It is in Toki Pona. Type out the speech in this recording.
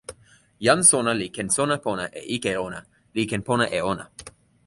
jan sona li ken sona pona e ike ona, li ken pona e ona.